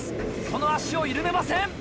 その足を緩めません。